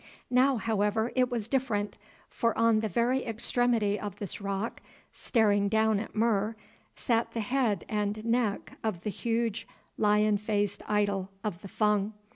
Now, however, it was different, for on the very extremity of this rock, staring down at Mur, sat the head and neck of the huge lion faced idol of the Fung.